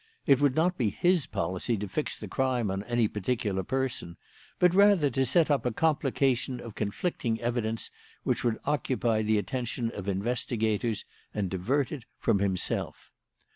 It would not be his policy to fix the crime on any particular person, but rather to set up a complication of conflicting evidence which would occupy the attention of investigators and divert it from himself.